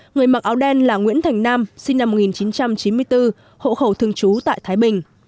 người mặc áo đen là nguyễn thành nam sinh năm một nghìn chín trăm chín mươi bốn hộ khẩu thường trú tại thái bình